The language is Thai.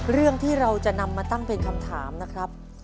เรื่องที่เราจะนำมาตั้งเป็นคำถามนะครับ